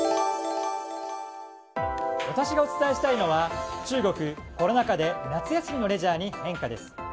私がお伝えしたいのは中国、コロナ禍で夏休みのレジャーに変化です。